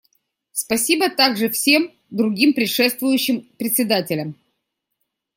Спасибо также всем другим предшествующим председателям.